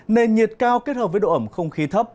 nền nhiệt cao kết hợp với độ ẩm không khí thấp